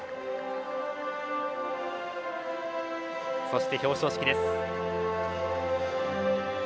そして表彰式です。